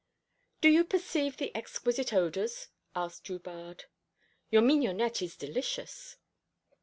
"Do you perceive the exquisite odours?" asked Drubarde. "Your mignonette is delicious."